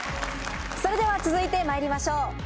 それでは続いてまいりましょう。